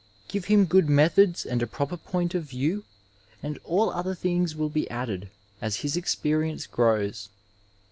Give him good methods and a proper point of view, and all other things will be added, as his experience grows.